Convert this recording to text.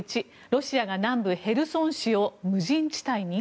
１ロシアが南部ヘルソン市を無人地帯に？